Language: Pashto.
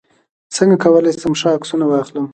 څنګه کولی شم ښه عکسونه واخلم